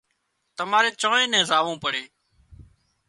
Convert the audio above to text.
تماري چانئين نين زاوون پڙي